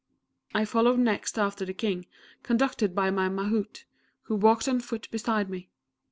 I followed next after the King, conducted by my Mahout, who walked on foot beside me.